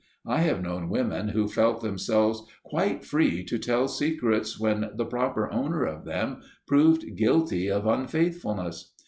I have known women who felt themselves quite free to tell secrets when the proper owner of them proved guilty of unfaithfulness.